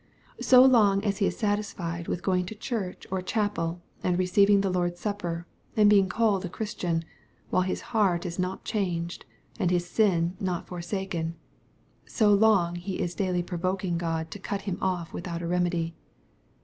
So long a s he is satisfied with going to church or chapel, and receiving the Lord's supper, and being called a Christian, while his heart is not changed, and his sins not. forsaken — ^so long he is daily provoking Grod to cut him off without remedy.